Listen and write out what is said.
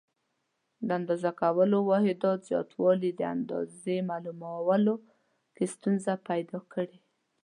د اندازه کولو واحداتو زیاتوالي د اندازې معلومولو کې ستونزې پیدا کړې.